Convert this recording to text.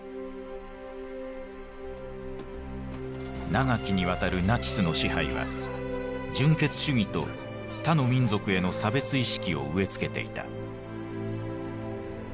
長きにわたるナチスの支配は純血主義と他の民族への差別意識を植え付けていた。